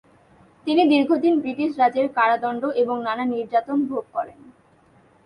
তিনি দীর্ঘদিন ব্রিটিশ রাজের কারাদণ্ড এবং নানা নির্যাতন ভোগ করেন।